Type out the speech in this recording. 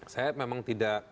saya memang tidak